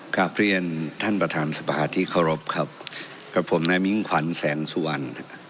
กลับเรียนท่านประธานสภาที่เคารพครับกับผมนายมิ่งขวัญแสงสุวรรณ